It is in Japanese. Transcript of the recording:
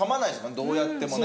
どうやってもね。